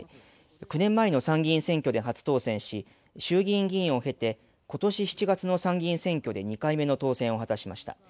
９年前の参議院選挙で初当選し衆議院議員を経てことし７月の参議院選挙で２回目の当選を果たしました。